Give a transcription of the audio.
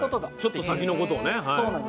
ちょっと先のことをね。